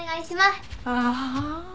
ああ。